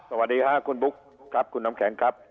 สวัสดีค่ะคุณบุ๊คครับคุณน้ำแข็งครับ